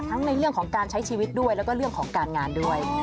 ในเรื่องของการใช้ชีวิตด้วยแล้วก็เรื่องของการงานด้วย